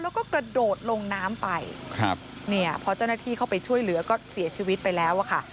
แล้วก็กระโดดลงน้ำไปครับเนี่ยพอเจ้าหน้าที่เข้าไปช่วยเหลือก็เสียชีวิตไปแล้วอะค่ะ